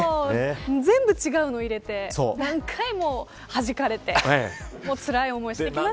全部違うの入れて何回もはじかれてもうつらい思いしてきました。